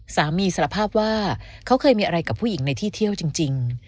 สารภาพว่าเขาเคยมีอะไรกับผู้หญิงในที่เที่ยวจริง